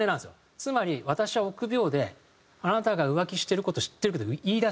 つまり「私は臆病であなたが浮気してる事知ってるけど言い出せない」